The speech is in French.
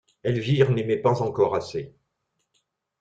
Elvire n'aimait pas encore assez.